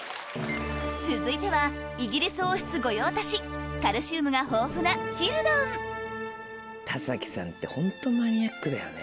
続いてはイギリス王室御用達カルシウムが豊富な田崎さんってホントマニアックだよね。